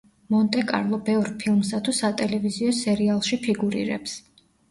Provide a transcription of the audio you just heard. მონტე-კარლო ბევრ ფილმსა თუ სატელევიზიო სერიალში ფიგურირებს.